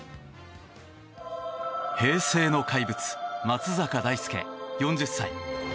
平成の怪物松坂大輔、４０歳。